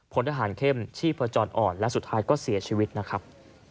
พลทหารเข้มชีพจรอ่อนและสุดท้ายก็เสียชีวิตนะครับ